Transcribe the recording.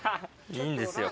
いいんですよ。